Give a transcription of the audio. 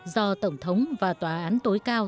do tổng thống và tòa án tối cao